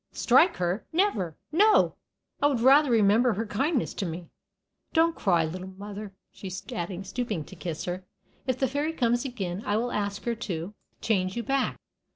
"Strike her! Never! No; I would rather remember her kindness to me. Don't cry, little mother," she added, stooping to kiss her. "If the fairy comes again, I will ask her to change you back."